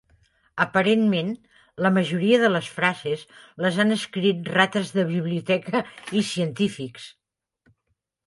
Aparentment, la majoria de les frases les han escrit rates de biblioteca i científics.